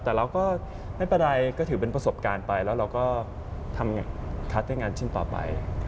แต่เราก็ไม่เป็นไรก็ถือเป็นประสบการณ์ไปแล้วเราก็ทำได้งานชิ้นต่อไป